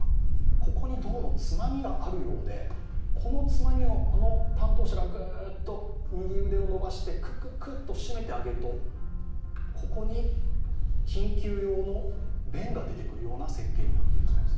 ここにどうもつまみがあるようでこのつまみをあの担当者がグッと右腕を伸ばしてクックッと締めてあげると、ここに緊急用の弁が出てくる設計になっているそうです。